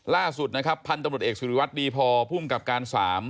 ล่าสุดพันธมตรวจเอกสิริวัตรดีพอภูมิกับการ๓